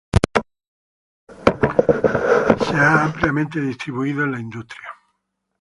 Se ha ampliamente distribuido en la industria.